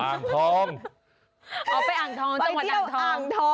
อ๋อไปอ่างทอมจังหวัดอ่างทอม